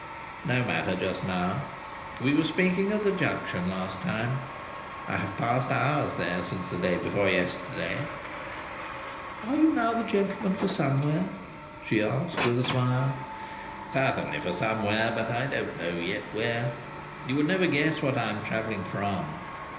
No matter just now. We were speaking of the Junction last time. I have passed hours there since the day before yesterday." "Are you now the gentleman for Somewhere?" she asked with a smile. "Certainly for Somewhere; but I don't yet know Where. You would never guess what I am travelling from.